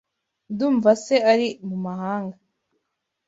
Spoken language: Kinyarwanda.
Ndumva se ari mumahanga.